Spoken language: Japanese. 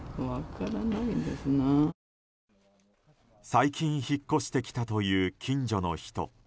最近引っ越してきたという近所の人。